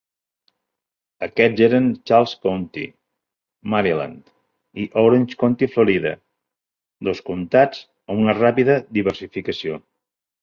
Aquests eren Charles County, Maryland; i Orange County Florida, dos comtats amb una ràpida diversificació.